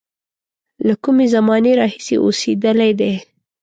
له کومې زمانې راهیسې اوسېدلی دی.